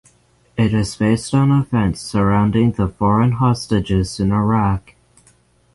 It is based on events surrounding the foreign hostages in Iraq.